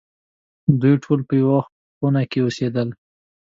دوی ټول په یوه خونه کې اوسېدل.